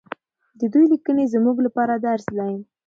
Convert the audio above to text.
د دوی لیکنې زموږ لپاره درس دی.